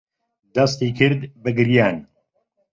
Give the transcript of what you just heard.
دەستی کرد بە گریان.